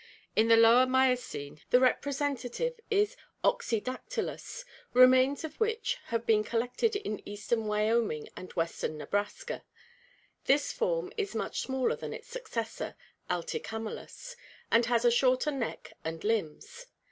In the Lower Miocene the representative 638 ORGANIC EVOLUTION is Oxydaetylus (Fig. 234), remains of which have been collected in eastern Wyoming and western Nebraska. This form is much smaller than its successor, AUicamelus, and has a shorter neck and limbs.